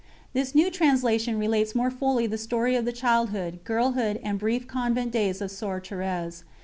This new translation relates more fully the story of the childhood, girlhood, and brief convent days of Soeur Thérèse.